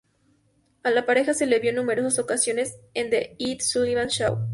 A la pareja se le vio en numerosas ocasiones en The Ed Sullivan Show.